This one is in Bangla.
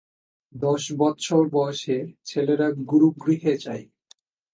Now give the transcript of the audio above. দশবৎসর বয়সে ছেলেরা গুরুগৃহে যায়।